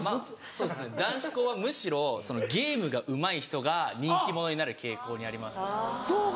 男子校はむしろゲームがうまい人が人気者になる傾向にありますね。